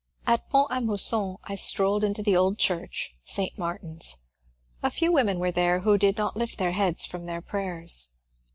At Pont a Mousson I strolled into the old church (St. Mar tinis). A few women were there, who did not lift their heads from their prayers.